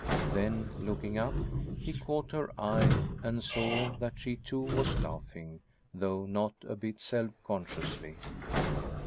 Then, looking up, he caught her eye, and saw that she too was laughing, though not a bit self consciously.